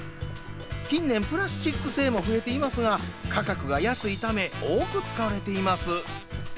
近年、プラスチック製も増えていますが価格が安いため多く使われています。